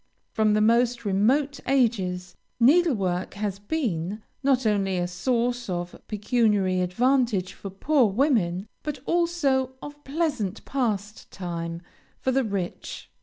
From the most remote ages needlework has been, not only a source of pecuniary advantage for poor women, but also of pleasant pastime for the rich.